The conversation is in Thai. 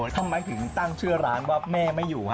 ทำไมถึงตั้งชื่อร้านว่าแม่ไม่อยู่ฮะ